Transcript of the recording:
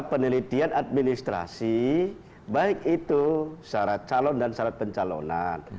penelitian administrasi baik itu syarat calon dan syarat pencalonan